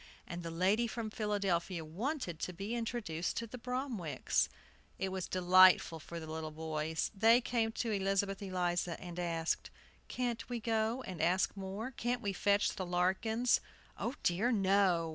And the lady from Philadelphia wanted to be introduced to the Bromwicks. It was delightful for the little boys. They came to Elizabeth Eliza, and asked: "Can't we go and ask more? Can't we fetch the Larkins?" "Oh, dear, no!"